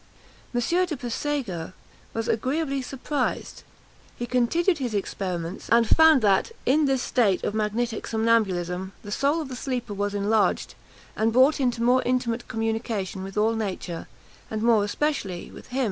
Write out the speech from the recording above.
M. de Puysegur was agreeably surprised: he continued his experiments, and found that, in this state of magnetic somnambulism, _the soul of the sleeper was enlarged, and brought into more intimate communion with all nature, and more especially with him, M.